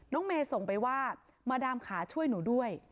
เมย์ส่งไปว่ามาดามขาช่วยหนูด้วย